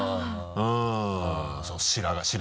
うん。